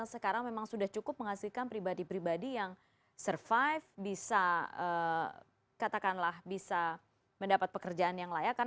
terima kasih pak menteri